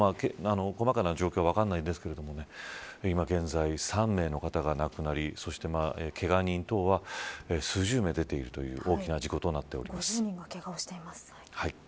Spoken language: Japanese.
細かな状況は分からないんですけれども今現在、３名の方が亡くなりそして、けが人等は数十名出ているという大きな事故と５０人がけがをしています。